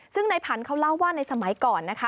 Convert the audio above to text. ซึ่งนายผันเขาเล่าว่าในสมัยก่อน